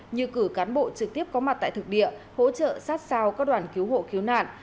như cử cán bộ trực tiếp có mặt tại thực địa hỗ trợ sát sao các đoàn cứu hộ cứu nạn